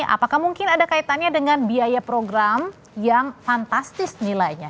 apakah mungkin ada kaitannya dengan biaya program yang fantastis nilainya